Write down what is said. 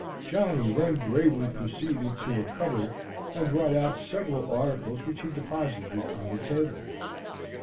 Johnny then gravely proceeded to a cupboard and brought out several articles which he deposited on the table.